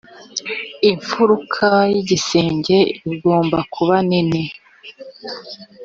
imfuruka y igisenge igombakubanini.